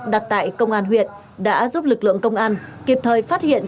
đặt tại công an huyện đã giúp lực lượng công an kịp thời phát hiện